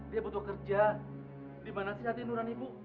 seenaknya aja bapak terima dia